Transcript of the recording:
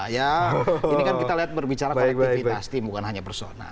ya ini kan kita lihat berbicara konektivitas tim bukan hanya personal